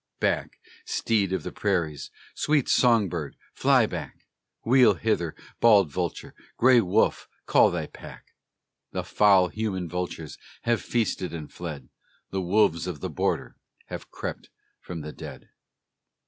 Back, steed of the prairies! Sweet song bird, fly back! Wheel hither, bald vulture! Gray wolf, call thy pack! The foul human vultures Have feasted and fled; The wolves of the Border Have crept from the dead.